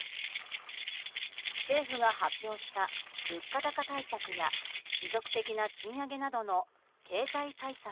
政府が発表した物価高対策や持続的な賃上げなどの経済対策